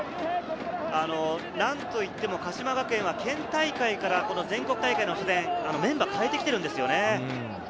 何といっても鹿島学園は県大会から全国大会の初戦、メンバーを代えてきています。